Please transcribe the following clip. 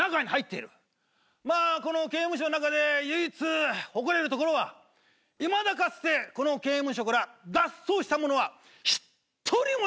まあこの刑務所の中で唯一誇れるところはいまだかつてこの刑務所から脱走した者は一人もいない。